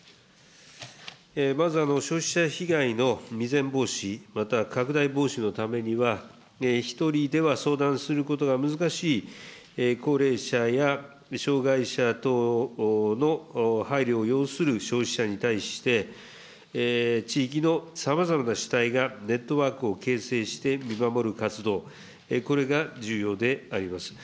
まず消費者被害の未然防止、また拡大防止のためには、１人では相談することが難しい高齢者や、障害者等の配慮を要する消費者に対して、地域のさまざまな主体がネットワークを形成して、見守る活動、これが重要であります。